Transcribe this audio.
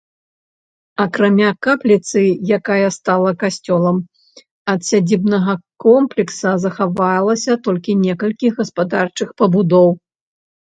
Акрамя капліцы якая стала касцёлам, ад сядзібнага комплекса захавалася толькі некалькі гаспадарчых пабудоў.